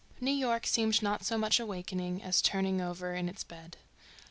New York seemed not so much awakening as turning over in its bed.